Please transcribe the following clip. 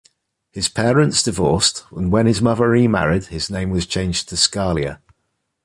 His parents divorced and when his mother remarried his name was changed to Scalia.